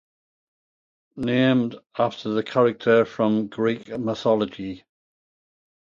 Named after the character from Greek mythology.